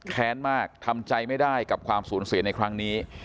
แค้นมากทำใจไม่ได้กับความสูญเสียในครั้งนี้